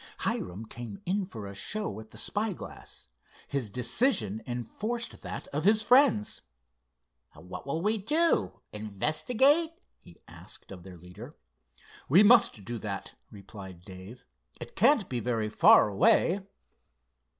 Hiram came in for a show at the spyglass. His decision enforced that of his friends. "What will we do—investigate?" he asked of their leader. "We must do that," replied Dave. "It can't be very far away."